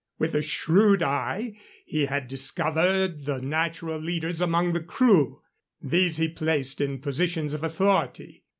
With a shrewd eye he had discovered the natural leaders among the crew. These he placed in positions of authority.